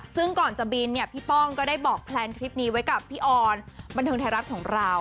ซึ่งก่อนจะบินเนี่ยพี่ป้องก็ได้บอกแพลนทริปนี้ไว้กับพี่ออนบันเทิงไทยรัฐของเรา